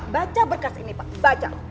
baca berkas ini pak